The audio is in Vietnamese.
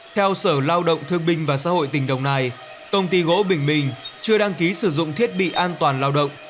theo sở lao động thương binh và xã hội tình đồng này công ty gỗ bình minh chưa đăng ký sử dụng thiết bị an toàn lao động